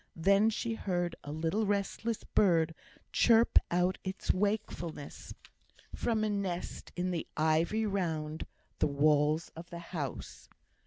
Then she heard a little restless bird chirp out its wakefulness from a nest in the ivy round the walls of the house.